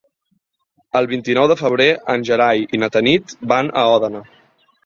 El vint-i-nou de febrer en Gerai i na Tanit van a Òdena.